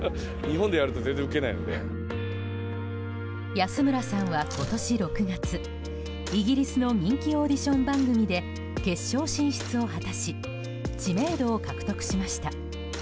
安村さんは、今年６月イギリスの人気オーディション番組で決勝進出を果たし知名度を獲得しました。